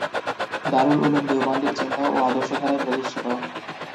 দারুল উলুম দেওবন্দের চিন্তা ও আদর্শধারায় প্রতিষ্ঠিত।